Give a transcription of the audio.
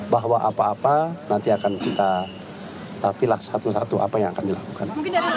bahwa apa apa nanti akan kita pilah satu satu apa yang akan dilakukan